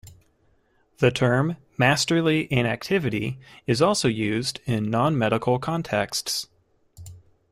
The term "masterly inactivity" is also used in nonmedical contexts.